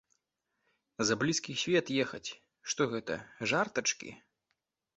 За блізкі свет ехаць, што гэта, жартачкі?